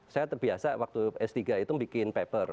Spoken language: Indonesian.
saya terbiasa waktu s tiga itu bikin paper